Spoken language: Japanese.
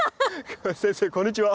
先生こんにちは。